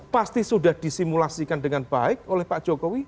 pasti sudah disimulasikan dengan baik oleh pak jokowi